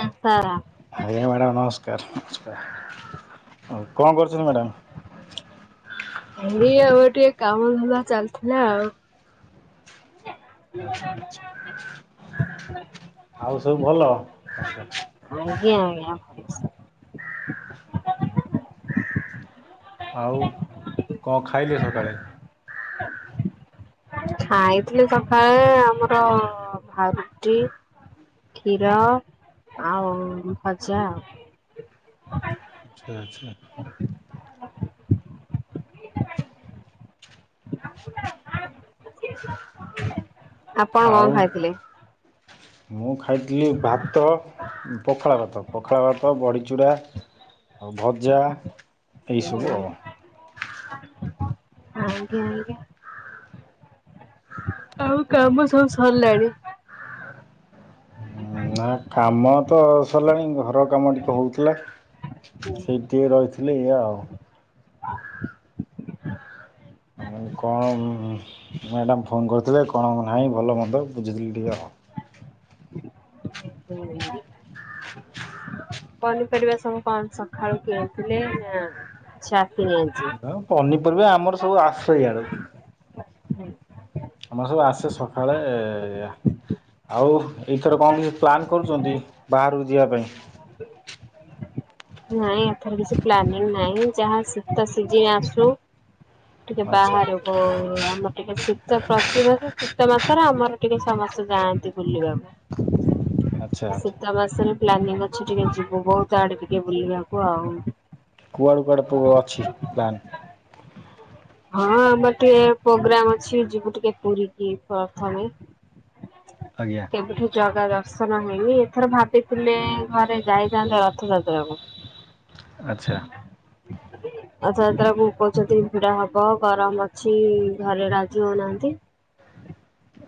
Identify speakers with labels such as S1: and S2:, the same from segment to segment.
S1: ସଂସ୍କାର।
S2: ଆଜ୍ଞା ମ୍ୟାଡ଼ାାମ ନମସ୍କାର ନମସ୍କାର କଣ କରୁଛନ୍ତି ମ୍ୟାଡ଼ାାମ?
S1: ଏଇ ଆଉ ଟିକେ କାମ ଧନ୍ଦା ଚାଲିଥିଲା ଆଉ।
S2: ଆଉ ସବୁ ଭଲ?
S1: ଆଜ୍ଞା ଆଜ୍ଞା
S2: ଆଉ କଣ ଖାଇଲେ ସକାଳେ?
S1: ଖାଇଥିଲି ସକାଳେ ଆମର ଭା ରୁଟି। କ୍ଷୀର ଆଉ ଭଜା।
S2: ଆଚ୍ଛା ଆଚଛା
S1: [inaudible] [inaudible] ଆପଣ କଣ
S2: ଆଉ
S1: ଖାଇଥିଲେ?
S2: ମୁଁ ଖାଇଥିଲି ଭାତ, ପଖାଳ ଭାତ, ପଖାଳ ଭାତ ବଡ଼ିଚୂରା। ଆଉ ଭଜା। ଆଉ।
S1: [inaudible] ଆଉ କାମ ସବୁ ସରିଲାଣି?
S2: ନା କାମ ତ ସରିଲାଣି ଘର କାମ ଟିକେ ହଉଥିଲା ସେଇ ଟିକେ ରହିଥିଲା ଲେଈ ଆଉ।
S1: [inaudible]
S2: ଆ କଣ ମ୍ୟାଡ଼ାମ ଫୋନ୍ କରିଥିଲେ କଣ ନାହିଁ ଭଲ ମନ୍ଦ ବୁଝିଥିଲି ଟିକିଏ ଆଉ।
S1: ହୁଁ [inaudible] ପନିପରିବା ସବୁ କଣ ସକାଳୁ କିଣଥିଲେ ନା ଛା କିଣି ଆଣିଛି?
S2: ପନିପରିବା ଆମର ସବୁ ଆସେଇ ୟାଡୁ।
S1: ହୁଁ।
S2: ଆମର ସବୁ ଆସେ ସକାଳେ ଆଉ ଏଇଥର କ ଣ କିଛି ପ୍ଲାନ୍ କରୁଛନ୍ତି ବାହାରକୁ ଯିବା ପାଇଁ?
S1: ନାଇଁ ଏଥର କିଛି ପ୍ଲାନିଂ ନାହିଁ ଯାହା ଶୀତ ସିଜିନ ଆସୁ ଟିକେ
S2: ଆଚ୍ଛା
S1: ବାହାରକୁ ଆମର। ଶୀତ ପ୍ରତିିବାସ ଶୀତ ମାସରେ ଆମର ଟିକେ ସମସ୍ତେ ଯାଆନ୍ତି ବୁଲିବା
S2: ଆଚ୍ଛା
S1: ପାଇଁ।
S2: ଆଚ୍ଛା
S1: ଶୀତ ମାସରେ ପ୍ଲାନିଂ ଅଛି ଟିକେ ଯିବୁ ବହୁତ ଆଡେ ଟିକେ ବୁଲିବାକୁ ଆଉ।
S2: କୁଆଡ଼େ କୁଆଡ଼େ ପୁ ଅଛି ପ୍ଲାନ୍?
S1: ହଁ ଆମର ଟିକେ ପ୍ରୋଗ୍ରାମ ଅଛି ଯିବୁ ଟିକେ ପୁରୀ କିି ପ୍ରଥମେ। [inaudible]
S2: ଆଜ୍ଞା।
S1: କେବେଠୁ ଜଗା ଦର୍ଶନ ହେଇନି, ଏଥର ଭାବିଥିଲେ ଘରେ ଯାଇଥାନ୍ତେ ରଥଯାତ୍ରା କୁ। [unintelligible]
S2: ଆଚ୍ଛା।
S1: ଆଛା ଯେତେବେଳେ କହୁଛନ୍ତି ପିଢା କହୁଛନ୍ତି ଭିଡା ହଟ ବ ଗରମ ଅଛି, ଘରେ ରାଜି ହଉନାହାନ୍ତି।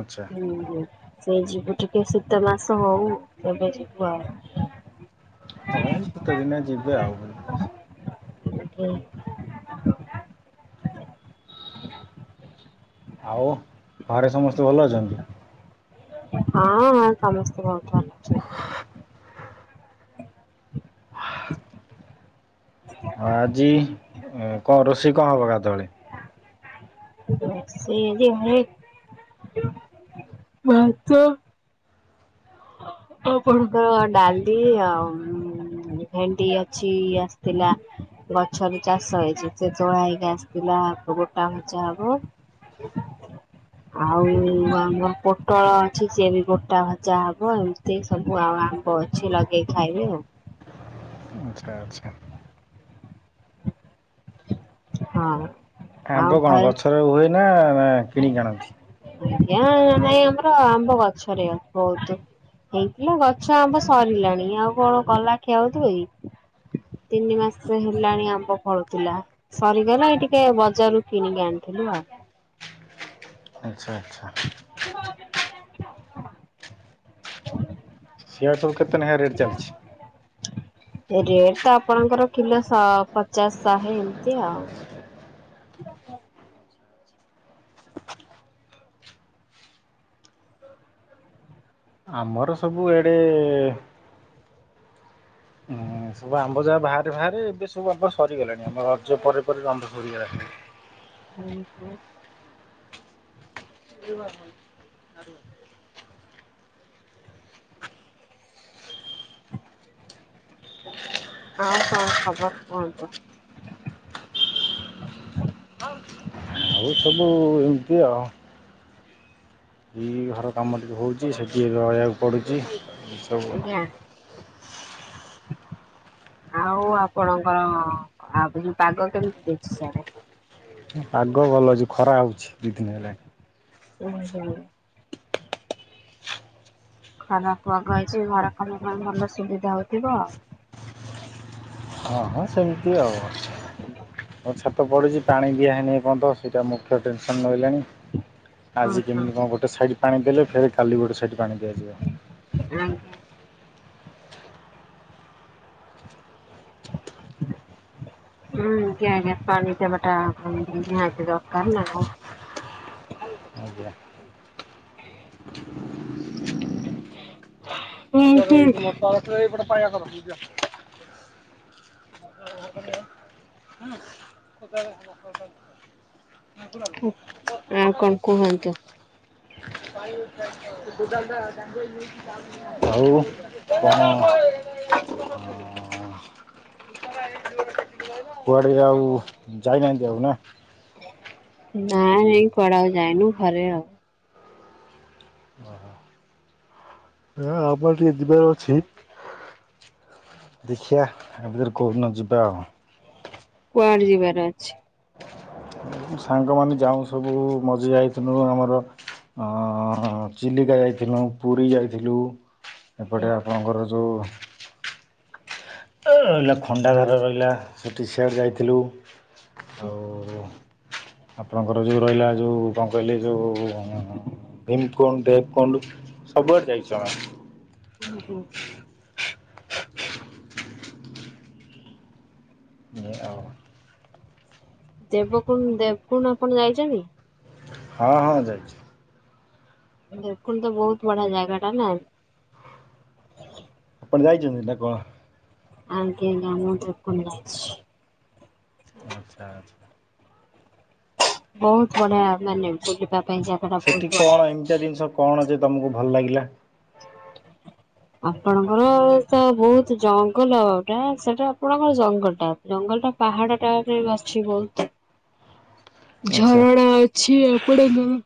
S2: ଆଚ୍ଛା।
S1: ହୁଁ ସେଇଠିକି ଟିକେ ଶୀତ ମାସ ହଉ ଏବେ ଯିବୁ ଆଉ।
S2: ହଁ ଏ ସୀତ ଦିନଆ ଯିବେ ଆଉ।
S1: ଆଉ।
S2: ଆଉ ଘରେ ସମସ୍ତେ ଭଲ ଅଛନ୍ତି?
S1: ହଁ ସମସ୍ତେ ବହୁତ ଭଲ ଅଛନ୍ତି।
S2: ଅ ଆଜି କଣ ରୋଷେଇ କଣ ହବ ଗାଧୁଆବେଳେ।
S1: ରୋଷେଇ ଆଜି ହେ ଯୋଉ ଭାତ ଆଉ କଣ ତ ଡାଲି ଆଉ ଭେଣ୍ଡି ଅଛି ଆସିଥିଲା ଗଛରେ ଚାଷ ହେଇଛି ସେ ତୋଳା ହେଇକି ଆସିଥିଲା ଗୋଟା ଭଜା ହବ। [unintelligible] ଆଉ ଆମର ପୋଟଳ ଅଛି ସିଏ ବି ଗୋଟା ଭଜା ହବ ଏମତି। ତି ସବୁ ଆଉ ଆମ୍ବ ଅଛି ଲଗେଇ ଖାଇବେ ଆଉ।
S2: ଆଚ୍ଛା ଆଚ୍ଛା।
S1: ହଁ। ଆଉ
S2: ଆମ୍ବ କଣ
S1: ଘରେ
S2: ଗଛର ହୁଏ ନା ନା କିଣିକି ଆଣନ୍ତି।
S1: ଆଜ୍ଞା ନାଇଁ ଆମର ଆମ୍ବ ଗଛ ରେ ବହୁତ ହେଇଥିଲା ଗଛ ଆମ୍ବ ସରିଲାଣି ଆଉ କଣ ଗଲା ଖିଆ ହଉଥିବ କି। ତିନି ମାସ ହେଲାଣି ଆମ୍ବ ଫଳୁଥିଲା। ସରିଗଲା ଏଇ ଟିକେ ବଜାରୁ କିଣିକି ଆଣିଥିଲୁ ଆଉ।
S2: ଆଚ୍ଛା ଆଚ୍ଛା।
S1: [inaudible]
S2: ସିଆ ସବୁ କେତେ ନେଖା ରେଟ୍ ଚାଲିଛି।
S1: ରେଟ ତ ଆପଣଙ୍କର କିଲୋ ଶ ପଚାଶ ଶହେ ଏମିତି ଆଉ।
S2: ଆମର ସବୁ ଏଡେ ହୁଁ ସବୁ ଆମ୍ବ ଯାହା ବାହାରେ ବାହାରେ ଏବେ ସବୁ ଆମ୍ବ ସରିଗଲାଣି ଆମ ରଜ ପରେ ପରେ ଆମ୍ବ ସରିଗଲାଣି।
S1: ହୁଁ ହୁଁ।
S2: [unintelligible]
S1: ଆଉ କଣ ଖବର କୁହନ୍ତୁ।
S2: ଆଉ ସବୁ ଏମିତି ଆଊ। ଏ ଘର କାମ ଟିକେ ହେଉଛି ସେ ଟିକେ ରହିବାକୁ ପଡ଼ୁଛି। ଏସବୁ
S1: ଆଜ୍ଞା। ଆଉ ଆପଣଙ୍କର ଆ ଯୋଉ ପାଗ କେମିତି ଦେଇଛି ସିଆଡେ।
S2: ପାଗ ଭଲ ଅଛି ଖରା ହୋଉଛି ଦୁଇ ଦିନ ହେଲାଣି।
S1: ହୁ ହୁଁ। ଖରା ଖୁଆକୁ ହେଇଛି ଘର କାମ ପାଇଁ ଭଲ ସୁବିଧା ହଉଥିବ ଆଉ।
S2: ହଁ ହଁ ସେମିତି ଆଉ। ଆଉ ଛାତ ପଡୁଛି ପାଣି ଦିଆ ହେଇନି ଏପନ୍ତ ସେଇଟା ମୁଖ୍ୟ ଟେନସନ ରହିଲାଣି।
S1: ହଁ
S2: ଆଜି
S1: ହଁ
S2: କେମିତି କଣ ଗୋଟେ ସାଇଡ ପାଣି ଦେଲେ ଫେଣେ କାଲି ଗୋଟେ ସାଇଡ ପାଣି ଦିଆଯିବ।
S1: ହୁଁ। ହୁଁ ଆଜ୍ଞା ଆଜ୍ଞା ପାଣି ଦବଟା ନିହାତି ଦରକାର ନା।
S2: ଆଜ୍ଞା। [unintelligible] [unintelligible]
S1: ଆଉ କଣ କୁହନ୍ତୁ।
S2: ଆଉ। କଣ କୁଆଡେ ଆଉ ଯାଉନାହାନ୍ତି ଆଉ ନା?
S1: ନାଇଁ ନାଇଁ କୁଆଡେ ଆଉ ଯାଇନୁ ଘରେ ଆଉ
S2: [inaudible] ହଁ ଆପର ଟିକେ [inaudible] ଅଛି। ଦେଖିଆ ଆ ଭିତରେ କୋଉଦିନ ଯିବା ଆଉ।
S1: କୁଆଡେ ଯିବାର ଅଛି?
S2: ସାଙ୍ଗମାନେ ଯାଉ ସବୁ ମଝିରେ ଯାଇଥିଲୁ ଆମର ହଁ ଚିଲିକା ଯାଇଥିଲୁ ପୁରୀ ଯାଇଥିଲୁ। ଏପଟେ ଆପଣଙ୍କର ଯୋଉ ତ ରହିଲା ଖଣ୍ଡାଘର ରହିଲା ସେଠି ସିଆଡେ ଯାଇଥିଲୁ। ଆଉ ଆପଣଙ୍କର ଯୋଉ ରହିଲା ଯୋଉ କଣ କହିଲେ ଯୋଉ? ଭୀମକୁଣ୍ଡ ଦେବକୁଣ୍ଡ ସବୁଆଡେ ଯାଇଛୁ ଆମେ
S1: [inaudible]
S2: ଏଇଆ ଆଉ
S1: ଦେବକୁଣ ଦେବକୁଣ୍ଡ ଆପଣ ଯାଇଛନ୍ତି?
S2: ହଁ ହଁ ଯାଇଚି।
S1: ଦେବକୁଣ୍ଡ ତ ବହୁତ ବଢିଆ ଜାଗା ଟା ନା?
S2: ଆପଣ ଯାଇଛନ୍ତି ନା କଣ?
S1: [unintelligible]
S2: ଆଚ୍ଛା ଆଚ୍ଛା।
S1: ବହୁତ ବଢିଆ ମାନେ ବୁଲିବା ପାଇଁ ଜା
S2: ସେଠି କଣ ଏମିତିଆ ଜିନିଷ କଣ ଯେ ତମକୁ ଭଲ ଲାଗିଲା?
S1: ଆପଣଙ୍କର ଆଉ ତା ବହୁତ ଜଙ୍ଗଲଟା ସେଟା ଆପଣଙ୍କର ଜଙ୍ଗଟା। ଜଙ୍ଗଲଟା ପାହାଡ଼ାଟା ବାସଛି ବହୁତୁ।
S2: ଆଚ୍ଛା
S1: ଝରଣା ଅଛି ଆପଣଙ୍କର?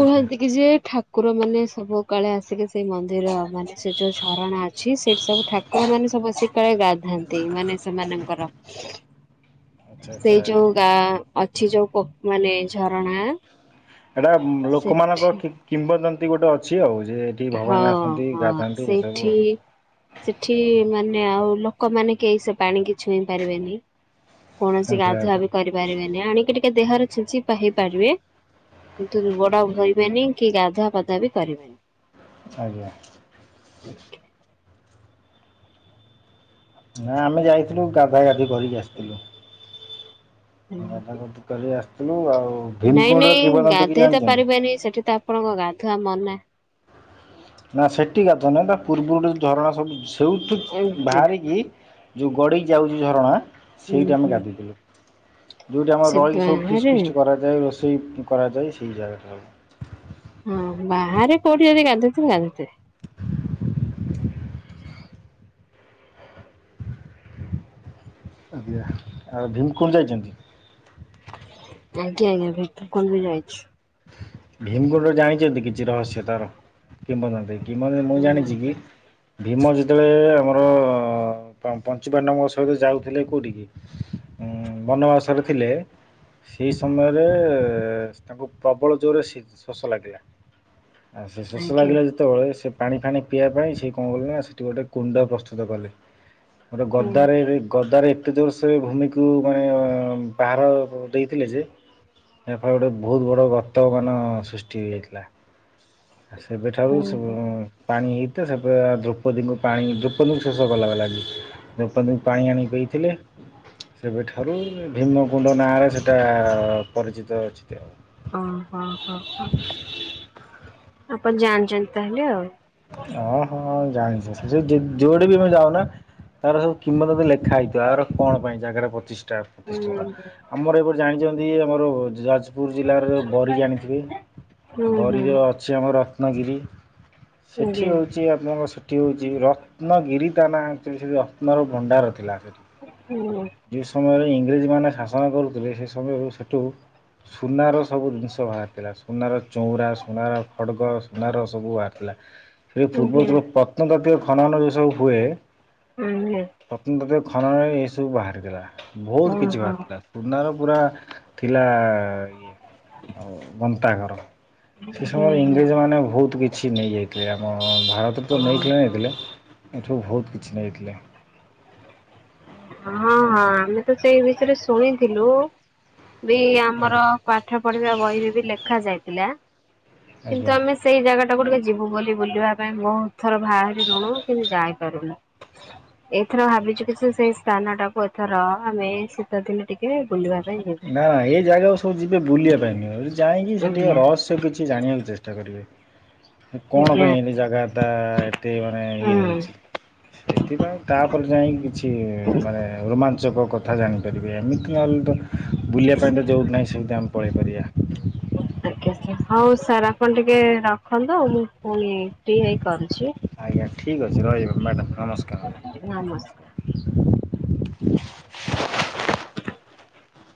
S2: ଆଜ୍ଞା
S1: କି ଯେ ଠା ଠାକୁରମାନେ ସବୁ କାଳେ ଆସିକି ସେଇ ମନ୍ଦିର ମାନେ ସେ ଯୋଉ ଝରଣା ଅଛି ସେଠି ସବୁ ଠାକୁରମାନେ ସବୁ ସେ କାଇଁ ଗାଧାନ୍ତି ମାନେ ସେମାନଙ୍କର
S2: ଆଚ୍ଛା ଆଚ୍ଛା
S1: ସେଇ ଯୋଉ
S2: ଏଇଟା
S1: ଗାଁ ଅଛି ଯୋଉ ପୋ ମାନେ ଝରଣା?
S2: ଏଟା ଲୋକମାନଙ୍କ
S1: ସେଠି
S2: କିମ୍ବଦନ୍ତୀ ଗୋଟେ ଅଛି ଆଉ ଯେ
S1: ହଁ
S2: ଭଗବାନ ଆସନ୍ତି
S1: ହଁ
S2: ଗାଧାନ୍ତି ଏସବୁ
S1: ସେଠି।
S2: ଆଉ
S1: ସେଠି ମାନେ ଆଉ ଲୋକମାନେ କେହି ସେ ପାଣି କିି ଛୁଇଁ ପାରିବେନି। କୌଣସି
S2: ଆଚ୍ଛା
S1: ଗାଧୁଆ
S2: ଆଚ୍ଛା
S1: ବି କରିପାରିବେନି ଆଣିକି ଟିକେ ଦେହର ଛିଞ୍ଚି ହେଇପାରିବେ। କିନ୍ତୁ ଧୃବଟା ଓପାଡିବେନି କି ଗାଧୁଆ ପାଧୁଆ ବି କରିବେନି।
S2: ଆଜ୍ଞା।
S1: [inaudible]
S2: ନା ଆମେ ଯାଇଥିଲୁ ଗାଧାଗାଧି କରିକି ଆସିଥିଲୁ। ଆମେ ଏଠିକି କରି ଆସିଥିଲୁ ଆଉ ଭୀମକୁଣ୍ଡରେ କିବନତିକି ଜାଣିଛନ୍ତି?
S1: ମୁଁ କନି ସେଠି ତା ଆପଣଙ୍କ ଗାଧୁଆ ମନା।
S2: ନା ସେଠି ଗାଧୁଆ ନୁହେଁ ତା ପୂର୍ବରୁ ଝରଣା ସବୁ ସେଇଠୁ
S1: ଆଜ୍ଞା
S2: ବାହାରିକି ଯୋଉ ଗଡିକି ଯାଉଛି ଝରଣା
S1: ହୁଁ
S2: ସେଇଟି
S1: ହୁଁ
S2: ଆମେ ଗାଧୋଇଥିଲୁ। ଯୋଉଠି ଆମର
S1: ସେ
S2: ରହିକି ସବୁ ଫିସ୍
S1: ବାହାରେ
S2: ଫିଷ୍ଟ କରାଯାଏ ରୋଷେଇ କରାଯାଏ ସେଇ ଜାଗାଟାରେ।
S1: ହଁ ବାହାରେ କୋଉଠି ଯଦି ଗାଧୋଉ ଥିବେ ଗାଧୋଉ ଥିବେ।
S2: ଆଜ୍ଞା ଆଉ ଭୀମକୁଣ୍ଡ ଯାଇଛନ୍ତି।
S1: ଆଜ୍ଞା ଆଜ୍ଞା ଭୀମ କମି ଯାଇଛି।
S2: ଭୀମକୁଣ୍ଡରେ ଜାଣିଛନ୍ତି କିଛି ରହସ୍ୟ ତାର କିମ୍ବଦନ୍ତି। କିମ୍ବଦନ୍ତୀ ମୁଁ
S1: ହୁଁ
S2: ଜାଣିଛି କି
S1: ହୁଁ
S2: ଭୀମ ଯେତେବେଳେ ଆମର ପ ପଞ୍ଚୂପାଣ୍ଡବ ଙ୍କ ସହିତ ଯାଉଥିଲେ କୋଉଠିିକି? ଉ ବନବାସରେ ଥିଲେ, ସେଇ ସମୟରେ ଏ ତାଙ୍କୁ ପ୍ରବଳ ଜୋରରେ ଶି ଶୋଷ ଲାଗିଲା, ଆ ସେ ଶୋଷ
S1: ଆଜ୍ଞା
S2: ଲାଗିଲା ଯେ ସେତେବେଳେ ସେ ପାଣି ଫାଣି ପିଇବା ପାଇଁ। ସେ କଣ କଲେ ନା ସେଠି ଗୋଟେ କୁଣ୍ଡ ପ୍ରସ୍ତୁତ କଲେ। ଗୋଟେ
S1: ହୁଁ
S2: ଗଦାରେ ଗଦାରେ। ଏତେ ଯୋର୍ଷରେ ଭୂମିକୁ ମାନେ ପାହାର ଦେଇଥିଲେ ଯେ ଏ ଫା ଗୋଟେ ବହୁତ ବ ବଡ଼ ଗର୍ତ୍ତମାନ ସୃଷ୍ଟି ହୋଇଯାଇଥିଲା ଆ ସେବେଠାରୁ
S1: ହୁଁ
S2: ଶୁ
S1: ହୁଁ।
S2: ପାଣି ହେଇଥ ସେପ ଦ୍ରୌପଦୀଙ୍କୁ ପାଣି ଦ୍ରୌପଦୀଙ୍କୁ ଶେଷ କଲା ହେଲାକି। ଦ୍ରୌପଦୀ ଙ୍କୁ ପାଣି ଆଣିିକି ପେଇଥିଲେ। ସେବେ ଠାରୁ ଭିମ କୁଣ୍ଡ ନାଁରେ ସେଟା ପରିଚିତ ଅଛି ଆଉ।
S1: ଅ ହଁ ହଁ ହଁ ଆପଣ ଜାଣିଛନ୍ତି ତାହେଲେ ଆଉ।
S2: ହଁ ହଁ ଜାଣିଛି ଯୁଆଡେ ବି ଯାଉନା। ତାର ସବୁ କିମ୍ୱଦନ୍ତି ଲେଖା ହେଇଥିବ ଆର କଣ ପାଇଁ ଜାଗାଟା ପଚିଷ୍ଟା।
S1: ହୁଁ
S2: ପ୍ରତିଷ୍ଠିତ
S1: ହୁଁ
S2: ଆମର ଏପଟ ଜାଣିଛନ୍ତି ଆମର ଯାଜ୍ ପୁର୍ ଜିଲ୍ଲାର ଜୋଉ ବରି ଜାଣିଥିବେ
S1: ହୁଁ ଆଜ୍ଞା
S2: ବରିରେ ଅଛି ଆମ ରତ୍ନଗିରି।
S1: ହୁଁ
S2: ସେଠି
S1: ଆଜ୍ଞା।
S2: ହଉଚି। ଠି ଆପଣଙ୍କର ସେଠି ହେଉଛି ରତ୍ନଗିରିତା ନାଁ ଅକ୍ଚୋଲି ସେଠି ରତ୍ନର ଭଣ୍ଡାର ଥିଲା ସେଠି।
S1: ହୁଁ।
S2: ଯେଉଁ ସମୟରେ ଇଂରେଜ ମାନେ ଶାସନ କରୁଥିଲେ ସେ ସମୟରୁ ସେଠୁ। ସୁନାର ସବୁ ଜିନିଷ ବାହାର୍ଥିଲା ସୁନାର ଚଉଁରା ସୁନାର ଖଡ୍ଗ ସୁନାର ସବୁ ବାହାର୍ଥିଲା।
S1: ଓହୋ ହୁଁ
S2: ପୂର୍ବ ତଳୁ ପତ୍। ରତ୍ନତାତୀୟ ଖନନ ଯେଉଁ ସବୁ ହୁଏ।
S1: ହୁଁ।
S2: ରତ୍ନତାତୀୟ ଖନନରେ ଏହିସବୁ ବାହାରିଗଲା। ବହୁତ୍ କିଛି ବାହାରିଥିଲା। ସୁନାର ପୁରା ଥିଲା ଇଏ ଆଉ ଗନ୍ତାଘର। ସେ ସମୟରେ ଇଂରେଜ ମାନେ ଭଉତ୍ କିଛି ନେଇଯାଇ ଥିଲେ ଆମ ଭାରତ୍ ରୁ ତ
S1: ହଁ
S2: ନେଇଥିଲେ ନେଇଥିଲେ ଏଠୁ ବହୁତ କିଛି ନେଇଥିଲେ।
S1: ହଁ ହଁ ଆମେ ତ ସେଇ ବିଷୟରେ ଶୁଣିଥିଲୁ ବି ଆମର
S2: ଆଜ୍ଞା।
S1: କ୍ୱା ପାଠ ପଢିବା ବହିରେ ବି ଲେଖା ଯାଇଥିଲା
S2: ଆଜ୍ଞା।
S1: କିନ୍ତୁ ଆମେ ଶ୍ ସେଇ ଜାଗା ଟାକୁ ଟିକେ ଯିବୁ ବୋଲି ବୁଲିବା ପାଇଁ ବହୁ ଥର ବାହାରି ଲୁଣୁ କିନ୍ତୁ ଯାଇପାରୁନୁ। ଏଇଥର ଭାବିଛୁ କି ସିଏ ସେଇ ସ୍ଥାନ ଟାକୁ ଏଥର ଆମେ ଶୀତଦିନେ ଟିକେ ବୁଲିବା ପାଇଁ ଯିବୁ।
S2: ନା ଏ ଜାଗାକୁ ସବୁ ଯିବେ ବୁଲିବା ପାଇଁ ନହ ଯାଇକି ସେ ଟିକେ
S1: ଆଜ୍ଞା
S2: ରହସ୍ୟ କି କିଛି ଜାଣିବାକୁ ଚେଷ୍ଟା କରିବେ। କଣ
S1: ଆଜ୍ଞା
S2: ପାଇଁ ଏନି ଜାଗା ଟା ଏତେ ମାନେ ଇଏ
S1: ହୁଁ।
S2: ହେଇଚି। ସେଥିପାଇଁ ତାପରେ ଯାଇଁକି କିଛି ମାନେ ରୋମାଞ୍ଚକ କଥା ଜାଣିପାରିବେ। ଏମିତି ନହେଲେ ତ ବୁଲିବା ପାଇଁ ଟା ଯଉଁ ନାହିଁ ସେମ୍ତି ଆମେ ପଳାଇପାରିବା।
S1: [inaudible] ଆଜ୍ଞା ଆଜ୍ଞା ହଉ ସାର୍ ଆପଣ ଟିକେ ରଖନ୍ତୁ ମୁଁ ଫୁଣି ଫ୍ରି ହେଇ କରୁଛି।
S2: ଆଜ୍ଞା ଠିକ୍ ଅଛି ରହିବ ମ୍ୟାଡ଼ାମ୍ ନମସ୍କାର୍ ମ୍ୟାଡା
S1: ନମସ୍। [inaudible]